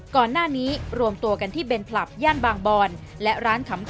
ก่อนหน้านี้รวมตัวกันที่เบนผลัพย่านบางบร